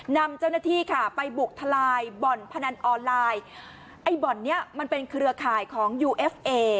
นำเจ้าหน้าที่ค่ะไปบุกทลายบ่อนพนันออนไลน์ไอ้บ่อนเนี้ยมันเป็นเครือข่ายของยูเอฟเอ